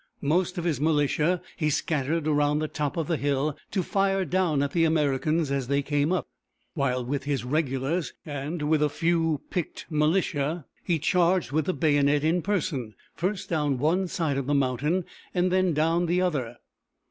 Most of his militia he scattered around the top of the hill to fire down at the Americans as they came up, while with his regulars and with a few picked militia he charged with the bayonet in person, first down one side of the mountain and then down the other.